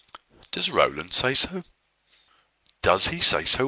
"Does Rowland say so?" "Does he say so?